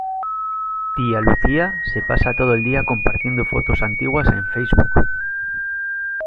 Tía Lucía se pasa todo el día compartiendo fotos antiguas en Facebook.